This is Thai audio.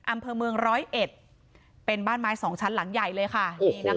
อำเภอเมือง๑๐๑เป็นบ้านไม้๒ชั้นหลังใหญ่เลยค่ะ